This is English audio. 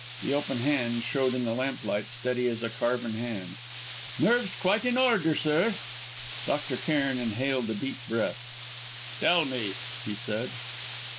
The open hand showed in the lamplight steady as a carven hand. "Nerves quite in order, sir." Dr. Cairn inhaled a deep breath. "Tell me," he said.